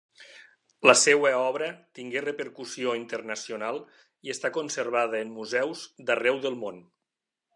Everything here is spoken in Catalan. La seva obra tingué repercussió internacional i està conservada en museus d'arreu del món.